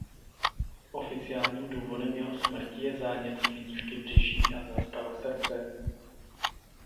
Oficiálním důvodem jeho smrti je zánět slinivky břišní a zástava srdce.